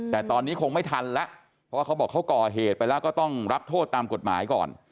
แต่ตอนนี้คงไม่ทันแล้วเพราะว่าเขาบอกเขาก่อเหตุไปแล้วก็ต้องรับโทษตามกฎหมายก่อน